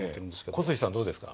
古水さんどうですか？